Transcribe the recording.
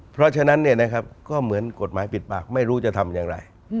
เพราะฉะนั้นเนี่ยนะครับก็เหมือนกฎหมายปิดปากไม่รู้จะทำอย่างไร